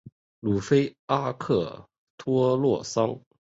鲁菲阿克托洛桑。